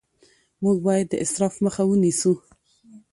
موږ باید د اسراف مخه ونیسو